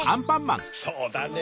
そうだねぇ。